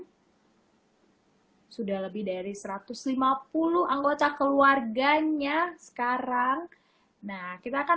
hai sudah lebih dari satu ratus lima puluh anggota keluarganya sekarang nah kita akan